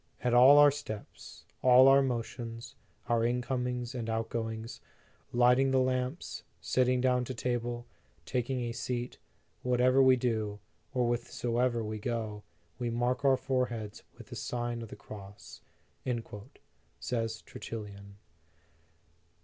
"At all our steps, all our motions, our incomings and outgoings, lighting the lamps, sitting down to table, taking a seat; whatever we do, or whithersoever we go, we mark our foreheads with the Sign of the Cross," says Tertullian.